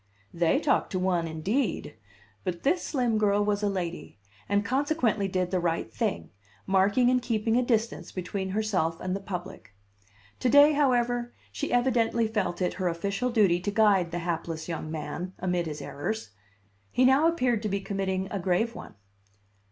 They talk to one indeed! But this slim girl was a lady, and consequently did the right thing, marking and keeping a distance between herself and the public. To day, however, she evidently felt it her official duty to guide the hapless young, man amid his errors. He now appeared to be committing a grave one.